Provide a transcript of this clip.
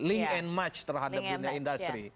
link and match terhadap dunia industri